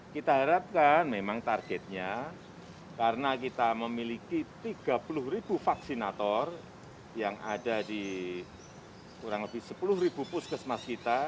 kita harapkan memang targetnya karena kita memiliki tiga puluh ribu vaksinator yang ada di kurang lebih sepuluh puskesmas kita